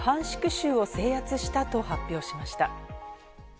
州を制圧したと発表しました。